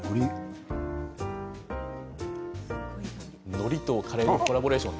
のりとカレーのコラボレーション